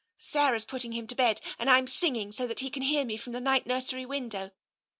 Sarah is putting him to bed and I'm singing so that he can hear me from the night nursery window.